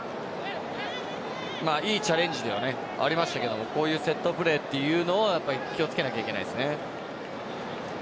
いいチャレンジではありましたけれどもこういうセットプレーというのは気をつけなければいけないですね。